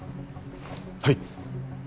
はい！